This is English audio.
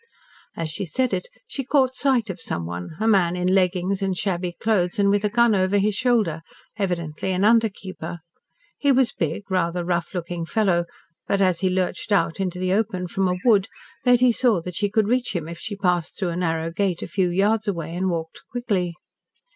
As she said it she caught sight of someone, a man in leggings and shabby clothes and with a gun over his shoulder, evidently an under keeper. He was a big, rather rough looking fellow, but as he lurched out into the open from a wood Betty saw that she could reach him if she passed through a narrow gate a few yards away and walked quickly.